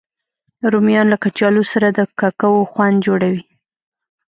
رومیان له کچالو سره د کوکو خوند جوړوي